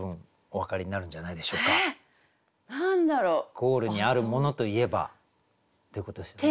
ゴールにあるモノといえば？ってことですよね。